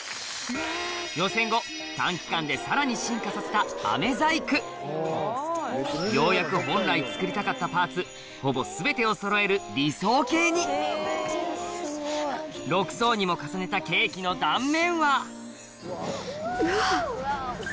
予選後短期間でさらに進化させた飴細工ようやく本来作りたかったパーツほぼ全てをそろえる理想形に６層にも重ねたケーキの断面はうわぁ。